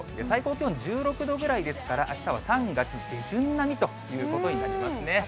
最高気温１６度ぐらいですから、あしたは３月下旬並みということになりますね。